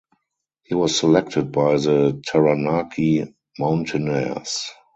He was selected by the Taranaki Mountainairs.